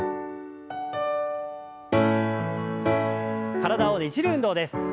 体をねじる運動です。